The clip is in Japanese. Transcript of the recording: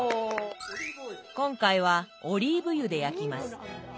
今回はオリーブ油で焼きます。